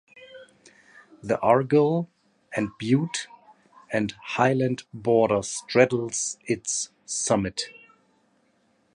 The Argyll and Bute and Highland border straddles its summit.